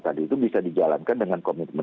tadi itu bisa dijalankan dengan komitmen